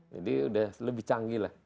jadi udah lebih canggih lah